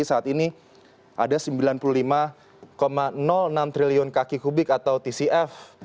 jadi saat ini ada sembilan puluh lima enam triliun kaki kubik atau tcf